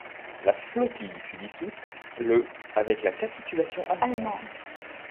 La flottille fut dissoute le avec la capitulation allemande.